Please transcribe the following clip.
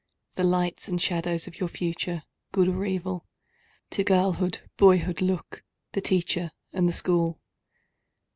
The lights and shadows of your future—good or evil? To girlhood, boyhood look—the Teacher and the School.